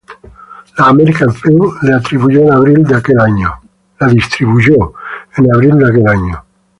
La American Film la distribuyó en abril de aquel año.